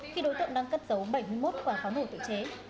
khi đối tượng đang cất giấu bảy mươi một quả pháo nổ tự chế